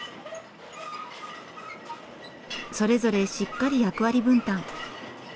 それぞれしっかり役割分担。